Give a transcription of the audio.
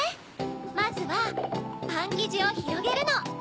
まずはパンきじをひろげるの。